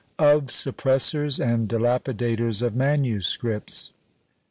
OF SUPPRESSORS AND DILAPIDATORS OF MANUSCRIPTS.